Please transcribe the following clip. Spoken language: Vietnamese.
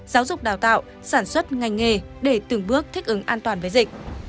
giáo dục đào tạo sản xuất ngành nghề để từng bước thích ứng an toàn với dịch